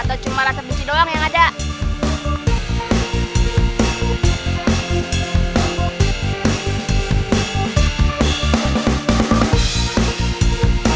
atau cuma rasa biji doang yang ada